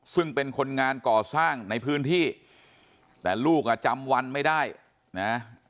ซึ่งเป็นคนงานก่อสร้างในพื้นที่แต่ลูกอ่ะจำวันไม่ได้นะ